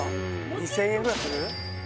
２０００円ぐらいする？